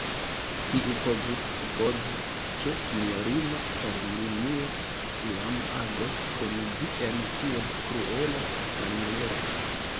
Kiu povus supozi, ke sinjorino Herminio iam agos kun vi en tiel kruela maniero!